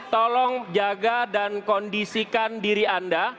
tolong jaga dan kondisikan diri anda